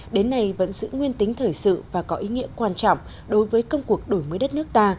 đến nay vẫn giữ nguyên tính thời sự và có ý nghĩa quan trọng đối với công cuộc đổi mới đất nước ta